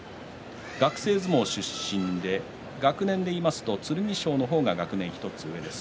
学生相撲出身で学年でいいますと剣翔の方が学年が１つ上です。